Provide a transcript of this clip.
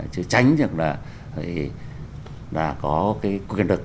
chứ tránh được là có quyền lực